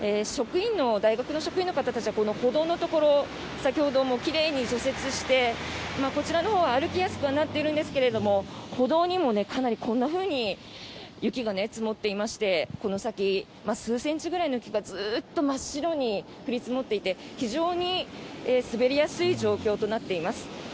大学の職員の方たちはこの歩道のところ先ほども奇麗に除雪してこちらのほうは歩きやすくはなっているんですが歩道にも、かなりこんなふうに雪が積もっていましてこの先、数センチくらいの雪がずっと真っ白に降り積もっていて非常に滑りやすい状況となっています。